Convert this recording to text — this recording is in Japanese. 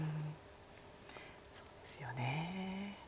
そうですよね。